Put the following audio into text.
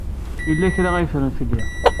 Yella kra ay ffren fell-i.